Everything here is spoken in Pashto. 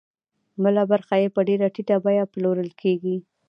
بله برخه یې په ډېره ټیټه بیه پلورل کېږي